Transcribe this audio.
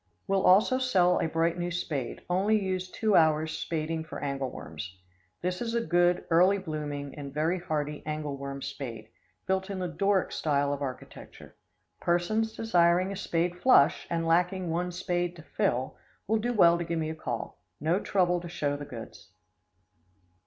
Will also sell a bright new spade, only used two hours spading for angle worms. This is a good, early blooming and very hardy angle worm spade, built in the Doric style of architecture. Persons desiring a spade flush, and lacking one spade to "fill," will do well to give me a call. No trouble to show the goods.